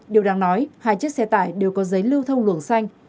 điều đáng nói hai chiếc xe tải đều có giấy lưu thông luồng xanh